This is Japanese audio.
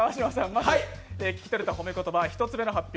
まず聞き取れた褒め言葉１つ目の発表